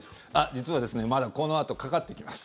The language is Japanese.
実はまだこのあとかかってきます。